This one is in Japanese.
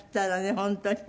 本当にね。